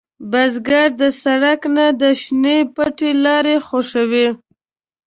بزګر د سړک نه، د شنې پټي لاره خوښوي